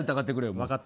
分かった。